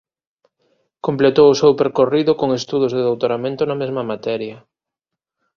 Completou o seu percorrido con estudos de doutoramento na mesma materia.